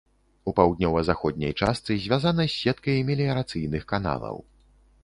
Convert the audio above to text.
У паўднёва-заходняй частцы звязана з сеткай меліярацыйных каналаў.